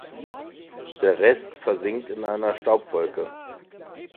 Der Rest versinkt in einer Staubwolke.